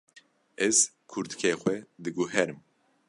Ez kurtikê xwe diguherim.